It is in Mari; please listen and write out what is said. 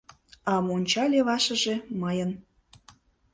— А монча левашыже мыйын.